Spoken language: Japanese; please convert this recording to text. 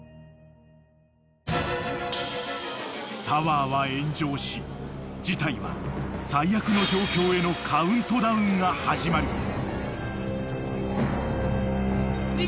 ［タワーは炎上し事態は最悪の状況へのカウントダウンが始まる］